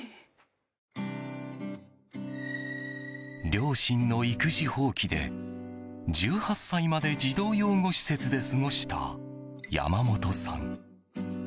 両親の育児放棄で１８歳まで児童養護施設で過ごした山本さん。